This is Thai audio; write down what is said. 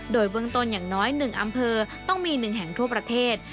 โดยเบื้องต้นอย่างน้อย๑อำเภอต้องมี๑แห่งทั่วประเทศ